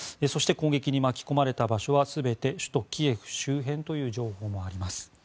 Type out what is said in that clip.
そして攻撃に巻き込まれた場所は全て首都キエフ周辺という情報があります。